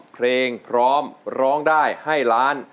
เพลงพร้อมร้องได้ให้ล้าน